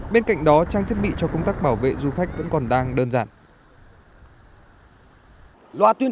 bên cạnh đó trang thiết bị cho công tác bảo vệ du khách vẫn còn đang đơn giản